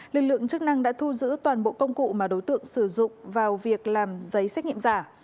lực lượng chức năng đã thu giữ toàn bộ công cụ mà đối tượng sử dụng vào việc làm giấy xét nghiệm giả